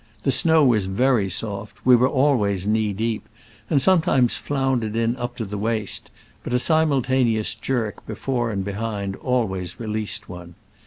The snow was very soft: we were always knee deep, and sometimes floundered in up to the waist, but a simultaneous jerk before and be hind always released one.